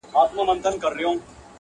• په واشنګټن کي -